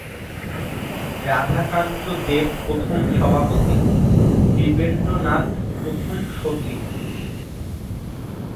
রাধাকান্ত দেব প্রথম সভাপতি, দেবেন্দ্রনাথ প্রথম সচিব।